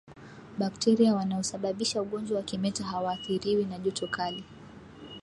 Bakteria wanaosababisha ugonjwa wa kimeta hawaathiriwi na joto kali